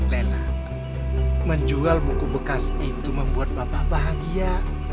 lena menjual buku bekas itu membuat bapak bahagia